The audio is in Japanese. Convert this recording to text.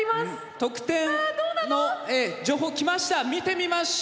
得点の情報きました。